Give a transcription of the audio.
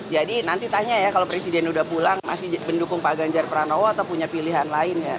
nanti tanya ya kalau presiden udah pulang masih mendukung pak ganjar pranowo atau punya pilihan lain ya